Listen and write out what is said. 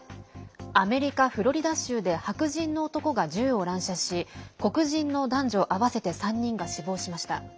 アメリカ・フロリダ州で白人の男が銃を乱射し黒人の男女合わせて３人が死亡しました。